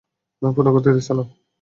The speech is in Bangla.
পূর্ণ গতিতে চালাও!